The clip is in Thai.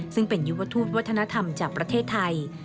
ซึ่งเป็นยุวทูตวัฒนธรรมจากประเทศไทย